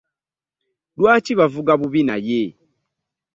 Lwaki bavuga bubi naye?